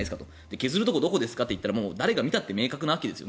削るところはどこですかと言ったら誰が見たって明確なわけです。